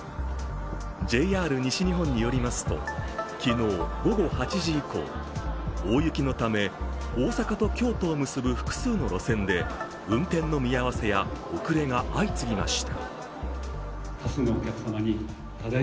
ＪＲ西日本によりますと、昨日午後８時以降、大雪のため、大阪と京都を結ぶ複数の路線で運転の見合わせや遅れが相次ぎました。